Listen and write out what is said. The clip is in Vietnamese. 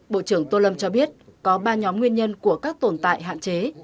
bộ trưởng tô lâm cho biết có ba nhóm nguyên nhân của các tồn tại hạn chế